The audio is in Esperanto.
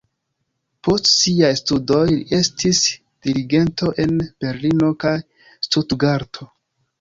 Post siaj studoj li estis dirigento en Berlino kaj Stutgarto.